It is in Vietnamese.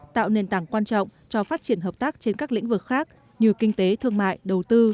tạo nền tảng quan trọng cho phát triển hợp tác trên các lĩnh vực khác như kinh tế thương mại đầu tư